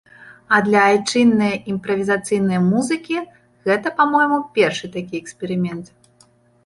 А для айчыннае імправізацыйнае музыкі гэта, па-мойму, першы такі эксперымент.